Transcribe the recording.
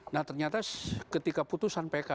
nah ternyata ketika putusan pk